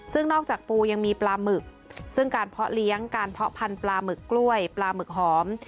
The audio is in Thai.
ซึ่งนอกจากปูยังมีปลาหมึกซึ่งการเพาะเลี้ยงการเพาะพันธุ์ปลาหมึกกล้วยปลาหมึกหอม